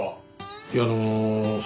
いやあの。